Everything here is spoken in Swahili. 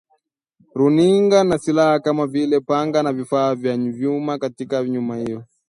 runinga na silaha kama vile panga na vifaa vya vyuma katika nyumba hiyo